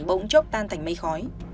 bỗng chốc tan thành mây khói